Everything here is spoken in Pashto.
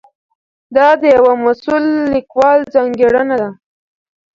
دا د یوه مسؤل لیکوال ځانګړنه ده.